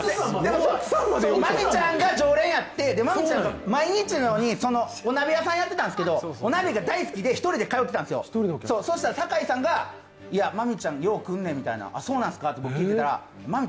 まみちゃんが常連やって毎日のようにお鍋屋さんやってたんですけどお鍋が大好きで、１人で通ってたんですよ、そしたら坂井さんが、まみちゃん、よう来んねん、あっそうなんッスか。